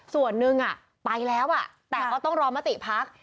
ส่วนหนึ่งไปแล้วแต่ก็ต้องรอมติพัก